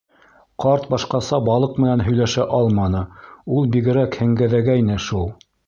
Ҡарт башҡаса балыҡ менән һөйләшә алманы: ул бигерәк һеңгәҙәгәйне шул.